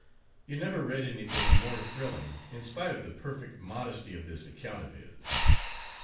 You never read anything more thrilling, in spite of the perfect modesty of this account of his.